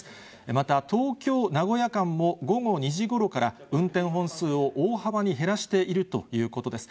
また、東京・名古屋間も、午後２時ごろから運転本数を大幅に減らしているということです。